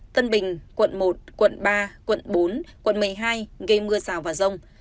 tân bình quận một quận ba quận bốn quận một mươi hai gây mưa rào và rông